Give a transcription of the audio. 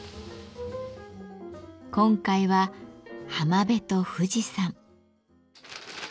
今回は浜辺と富士山。